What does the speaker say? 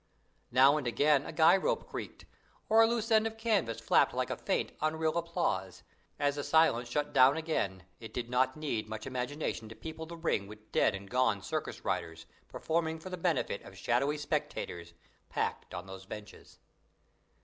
Now and again a guy rope creaked, or a loose end of canvas flapped like faint, unreal applause, as the silence shut down again, it did not need much imagination to people the ring with dead and gone circus riders performing for the benefit of shadowy spectators packed on those benches.